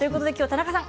田中さん